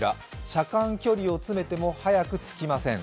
車間距離を詰めても早く着きません。